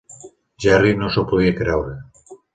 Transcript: Jerry no s'ho podria creure.